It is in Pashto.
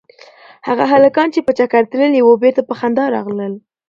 هغه هلکان چې په چکر تللي وو بېرته په خندا راغلل.